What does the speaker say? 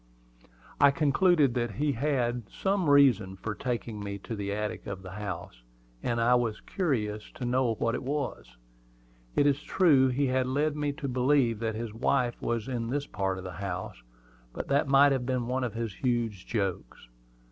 I concluded that he had some reason for taking me to the attic of the house, and I was curious to know what it was. It is true he had led me to believe that his wife was in this part of the house; but that might have been one of his huge jokes.